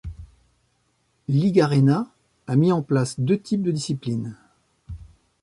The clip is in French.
Ligarena a mis en place deux types de disciplines.